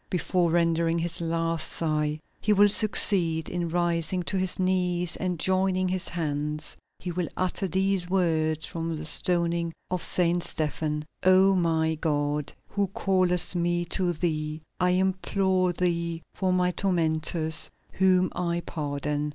Before rendering his last sigh, he will succeed in rising to his knees, and, joining his hands, he will utter these words from the stoning of Saint Stephen: "O my God, who callest me to Thee, I implore Thee for my tormentors, whom I pardon."